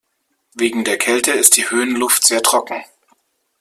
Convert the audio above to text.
Wegen der Kälte ist die Höhenluft sehr trocken.